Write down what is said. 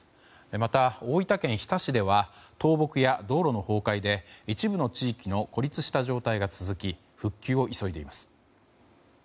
また、大分県日田市では倒木や道路の崩壊で一部の地域の孤立した状態が続き復旧を急いでいます。